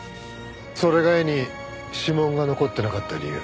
それが柄に指紋が残ってなかった理由。